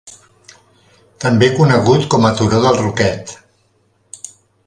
També conegut com a turó del Roquet.